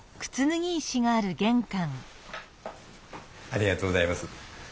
ありがとうございます。